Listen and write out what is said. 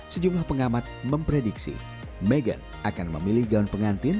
sejumlah pengamat memprediksi meghan akan memilih gaun pengantin